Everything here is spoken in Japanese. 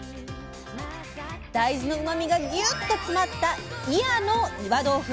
大豆のうまみがギュッと詰まった祖谷の岩豆腐。